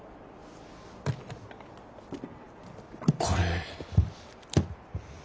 これ。